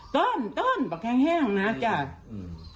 ต้นต้นแข็งแห้งนะจ๊ะอืม